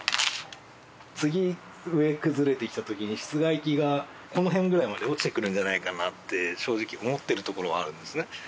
次上崩れてきた時に室外機がこの辺ぐらいまで落ちてくるんじゃないかなって正直思ってるところはあるんですね。